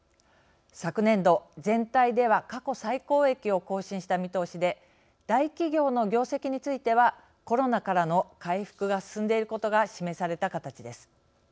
昨年度全体では過去最高益を更新した見通しで大企業の業績についてはコロナからの回復が進んでいることが示された形です。